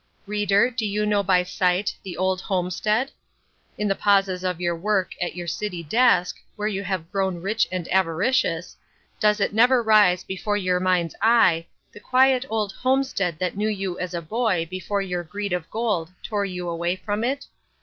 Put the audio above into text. Reader, do you know, by sight, the Old Homestead? In the pauses of your work at your city desk, where you have grown rich and avaricious, does it never rise before your mind's eye, the quiet old homestead that knew you as a boy before your greed of gold tore you away from it?